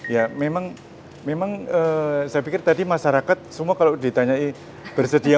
ya memang saya pikir tadi masyarakat semua kalau ditanyai bersedia